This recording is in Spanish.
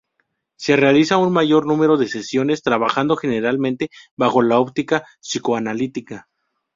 Se realizan un mayor número de sesiones, trabajando generalmente bajo la óptica psicoanalítica.